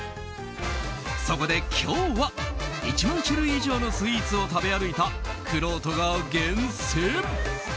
そこで今日は、１万種類以上のスイーツを食べ歩いたくろうとが厳選。